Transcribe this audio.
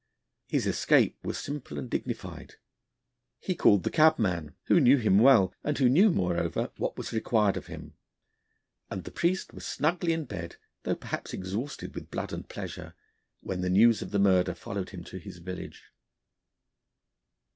His escape was simple and dignified; he called the cabman, who knew him well, and who knew, moreover, what was required of him; and the priest was snugly in bed, though perhaps exhausted with blood and pleasure, when the news of the murder followed him to his village.